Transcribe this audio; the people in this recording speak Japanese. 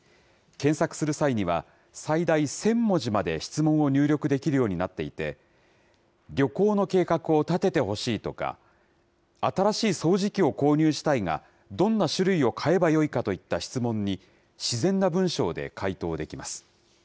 検索する際には、最大１０００文字まで質問を入力できるようになっていて、旅行の計画を立ててほしいとか、新しい掃除機を購入したいが、どんな種類を買えばよいかといった質問に自然な文章で回答できます。